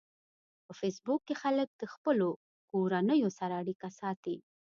په فېسبوک کې خلک د خپلو کورنیو سره اړیکه ساتي